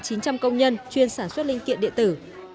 có bốn chín trăm linh công nhân chuyên sản xuất linh kiện địa tử